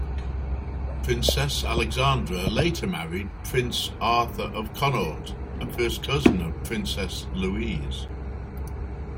Princess Alexandra later married Prince Arthur of Connaught, a first cousin of Princess Louise.